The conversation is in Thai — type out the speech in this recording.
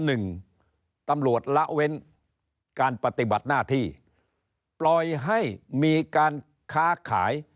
หนึ่งตำรวจละเว้นการปฏิบัติหน้าที่ปล่อยให้มีการค้าขาย